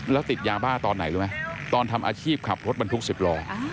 แล้วติดยาบ้าตอนไหนรู้ไหมตอนทำอาชีพขับรถบรรทุก๑๐ล้อ